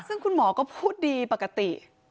ซึ่งคุณหมอก็พูดดีปกติ